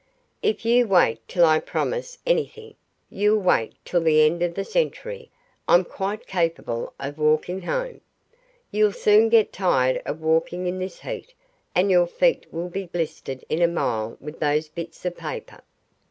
"If you wait till I promise anything, you'll wait till the end of the century. I'm quite capable of walking home." "You'll soon get tired of walking in this heat, and your feet will he blistered in a mile with those bits of paper."